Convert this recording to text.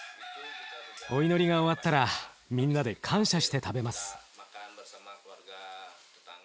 お祈りが終わったらみんなで感謝して食べます。